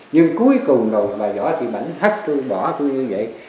nhưng cuối cùng bà vợ chị bảnh thắt tôi bỏ tôi như vậy